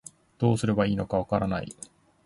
どうすればいいのかわからない